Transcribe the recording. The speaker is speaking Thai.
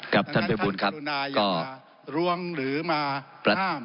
ครับท่านผู้อภิปรูนาอยากมารวงหรือมาห้าม